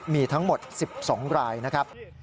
มีทั้งหมด๑๒รายนะครับ